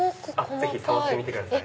ぜひ触ってみてください。